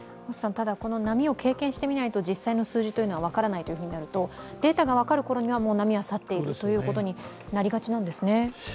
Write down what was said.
この波を経験してみないと実際の数字は分からないとなると、データが分かるころには波が去っているということになりがちなんですね。